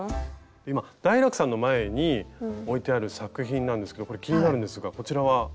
今ダイラクさんの前に置いてある作品なんですけどこれ気になるんですがこちらは？